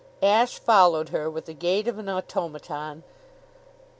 Ashe followed her with the gait of an automaton.